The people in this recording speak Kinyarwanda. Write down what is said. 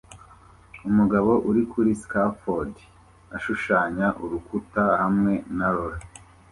Umugabo uri kuri scafold ashushanya urukuta hamwe na roller